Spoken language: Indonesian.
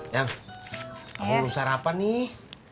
yang aku mau sarapan nih